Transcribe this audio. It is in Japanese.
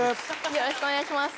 よろしくお願いします。